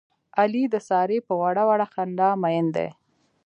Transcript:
علي د سارې په وړه وړه خندا مین دی.